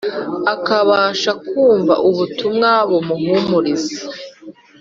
Akabasha kumva ubutumwa bumuhumuriza